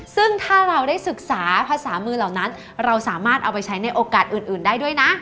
ซึ่งถ้าเราได้ศึกษาภาษามือเหล่านั้นเราสามารถเอาไปใช้ในโอกาสอื่นได้ด้วยนะ